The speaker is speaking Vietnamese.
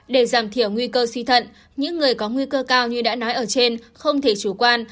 để giảm thiểu nguy cơ suy thận những người có nguy cơ cao như đã nói ở trên không thể chủ quan